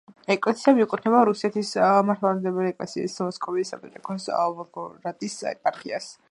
ეკლესია მიეკუთვნება რუსეთის მართლმადიდებელი ეკლესიის მოსკოვის საპატრიარქოს ვოლგოგრადის ეპარქიას.